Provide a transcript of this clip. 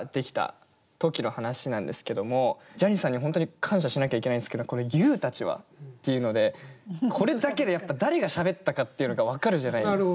ジャニーさんに本当に感謝しなきゃいけないんですけどこの「ＹＯＵたちは」っていうのでこれだけでやっぱ誰がしゃべったかっていうのが分かるじゃないですか。